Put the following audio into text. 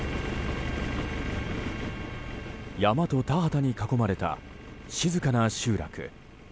山と田畑に囲まれた静かな集落。